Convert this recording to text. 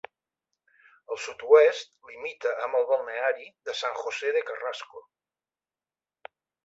Al sud-oest limita amb el balneari de San José de Carrasco.